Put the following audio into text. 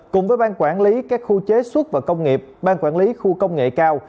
cùng với ban quản lý các khu chế xuất và công nghiệp ban quản lý khu công nghệ cao